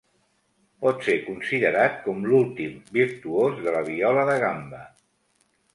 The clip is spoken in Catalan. Pot ser considerat com l'últim virtuós de la viola de gamba.